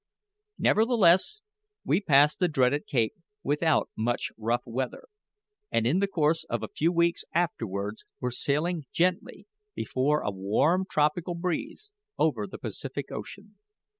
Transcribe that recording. Nevertheless we passed the dreaded cape without much rough weather, and in the course of a few weeks afterwards were sailing gently, before a warm tropical breeze, over the Pacific Ocean.